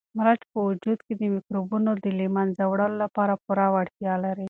مرچ په وجود کې د مکروبونو د له منځه وړلو لپاره پوره وړتیا لري.